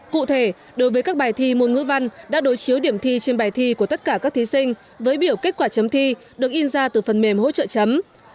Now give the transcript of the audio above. cụ thể đối với các bài thi môn ngữ văn đã đối chiếu điểm thi trên bài thi của tất cả các thí sinh với biểu kết quả chấm thi được in ra từ phần mềm hỗ trợ chấm